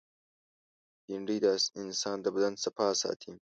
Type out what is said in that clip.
بېنډۍ د انسان د بدن صفا ساتي